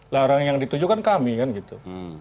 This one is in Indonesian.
lah orang yang ditujukan kami kan gitu